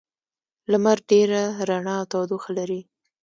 لمر ډېره رڼا او تودوخه لري.